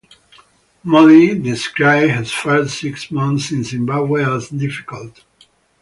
Modi described his first six months in Zimbabwe as difficult.